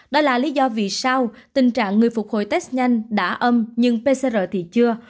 đó là lý do vì sao tình trạng người phục hồi test nhanh đã âm nhưng pcr thì chưa